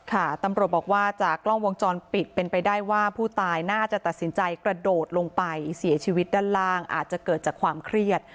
ตำรวจบอกว่าจากกล้องวงจรปิดเป็นไปได้ว่าผู้ตายน่าจะตัดสินใจกระโดดลงไปเสียชีวิตด้านล่างอาจจะเกิดจากความเครียด